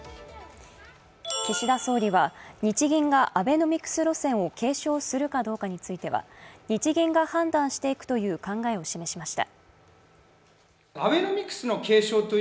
岸田総理は日銀がアベノミクス路線を継承するかどうかについては日銀が判断していくという考えを示しました。